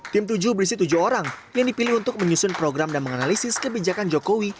tim tujuh berisi tujuh orang yang dipilih untuk menyusun program dan menganalisis kebijakan jokowi